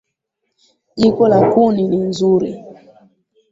Jiko la kuni ni zuri.